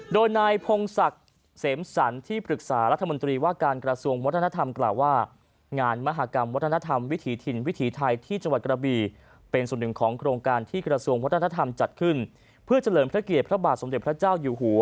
โดยนายพงศักดิ์เสมสรรที่ปรึกษารัฐมนตรีว่าการกระทรวงวัฒนธรรมกล่าวว่างานมหากรรมวัฒนธรรมวิถีถิ่นวิถีไทยที่จังหวัดกระบีเป็นส่วนหนึ่งของโครงการที่กระทรวงวัฒนธรรมจัดขึ้นเพื่อเฉลิมพระเกียรติพระบาทสมเด็จพระเจ้าอยู่หัว